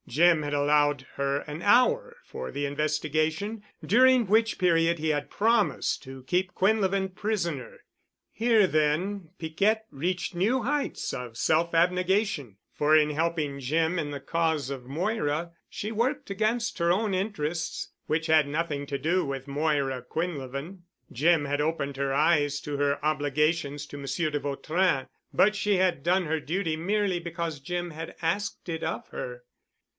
Jim had allowed her an hour for the investigation, during which period he had promised to keep Quinlevin prisoner. Here then, Piquette reached new heights of self abnegation, for in helping Jim in the cause of Moira, she worked against her own interests, which had nothing to do with Moira Quinlevin. Jim had opened her eyes to her obligations to Monsieur de Vautrin but she had done her duty merely because Jim had asked it of her.